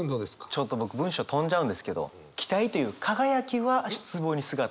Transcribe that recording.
ちょっと僕文章飛んじゃうんですけど「期待という輝きは『失望』に姿を変える」って真逆。